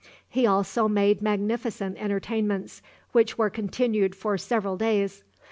He also made magnificent entertainments, which were continued for several days.